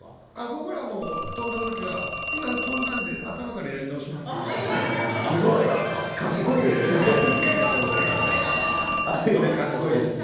僕らは飛んだ時は今、飛んだので頭からやり直しますって言います。